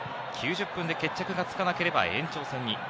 ９０分で決着がつかなければ延長戦に。